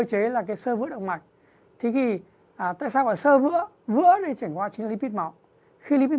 chế là cái sơ vữa động mạch thế thì tại sao mà sơ vữa vữa này trải qua chính là lipid máu khi lipid